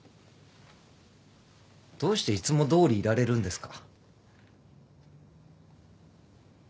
どうしていつもどおりいられるんですか？